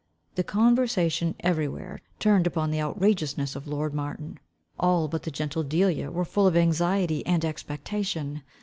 The conversation every where turned upon the outrageousness of lord Martin. All but the gentle Delia, were full of anxiety and expectation.